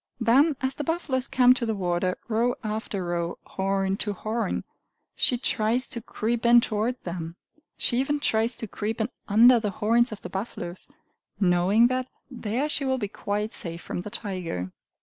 Then as the buffaloes come to the water, row after row, horn to horn, she tries to creep in toward them; she even tries to creep in under the horns of the buffaloes, knowing that there she will be quite safe from the tiger.